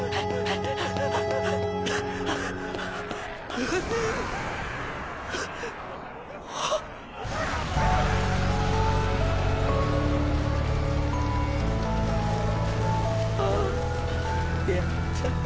ぐあ！あっやった。